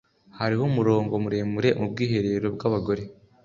Hariho umurongo muremure mu bwiherero bwabagore